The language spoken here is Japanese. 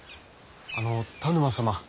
あの田沼様！